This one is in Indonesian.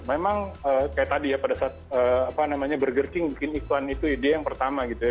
memang kayak tadi ya pada saat apa namanya burger king bikin iklan itu ide yang pertama gitu ya